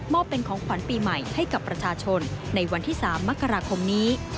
เป็นของขวัญปีใหม่ให้กับประชาชนในวันที่๓มกราคมนี้